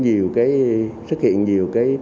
nhiều cái xuất hiện nhiều cái